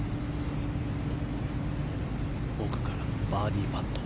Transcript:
奥からバーディーパット。